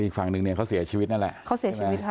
อีกฝั่งหนึ่งเขาเสียชีวิตนั่นแหละเงี่ยฮะ